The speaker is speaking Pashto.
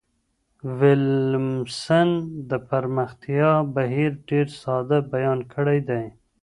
ویلمسن د پرمختیا بهیر ډیر ساده بیان کړی دی.